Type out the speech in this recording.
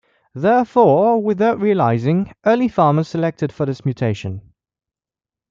Therefore, without realizing, early farmers selected for this mutation.